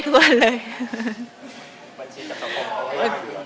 บัญชีสัตว์ของเขายากอยู่แล้วเนอะ